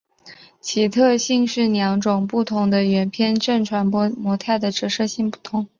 其特性是两种不同的圆偏振传播模态的折射率不相等。